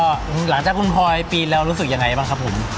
หลังจากคุณพลอยปีนแล้วรู้สึกยังไงบ้างครับผม